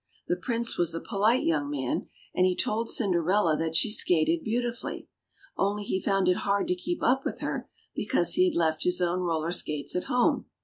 The Prince was a polite young man, and he told Cinderella that she skated beautifully, only he found it hard to keep up with her because he had left his own roller skates at home.